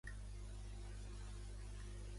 Valentin Dubinin té dos fills.